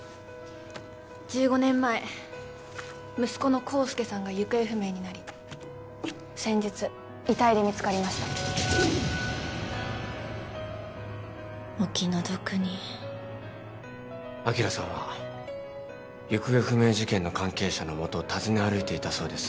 １５年前息子の康介さんが行方不明になり先日遺体で見つかりましたお気の毒に昭さんは行方不明事件の関係者のもとを尋ね歩いていたそうです